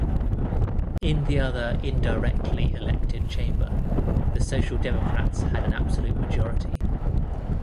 In the other indirectly elected chamber the Social Democrats had an absolute majority.